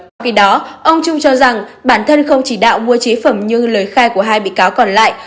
trong khi đó ông trung cho rằng bản thân không chỉ đạo mua chế phẩm như lời khai của hai bị cáo còn lại